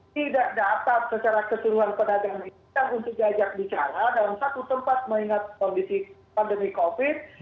tidak dapat secara keseluruhan pedagang untuk diajak bicara dalam satu tempat mengingat kondisi pandemi covid